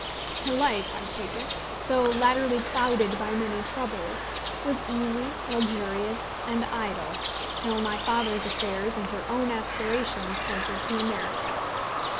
Her life, I take it, though latterly clouded by many troubles, was easy, luxurious, and idle, till my father's affairs and her own aspirations sent her to America.